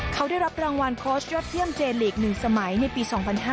เขาได้รับรางวัลโค้ชยอดเยี่ยมเจนลีก๑สมัยในปี๒๕๕๙